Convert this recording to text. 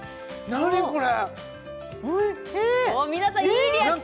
何これ！？